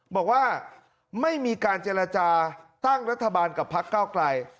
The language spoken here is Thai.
บอกว่าไม่มีการเจรจาตั้งรัฐบาลกับพักเก้าไกล